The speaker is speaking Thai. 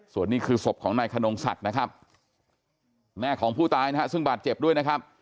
ส่วนนี้คือศพของนายขนงศักดิ์นะครับแม่ของผู้ตายนะฮะซึ่งบาดเจ็บด้วยนะครับ